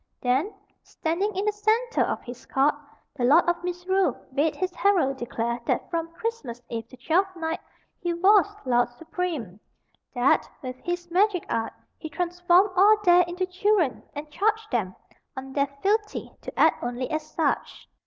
Then, standing in the centre of his court, the Lord of Misrule bade his herald declare that from Christmas Eve to Twelfth Night he was Lord Supreme; that, with his magic art, he transformed all there into children, and charged them, on their fealty to act only as such.